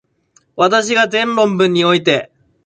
私が前論文において、